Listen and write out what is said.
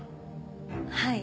はい。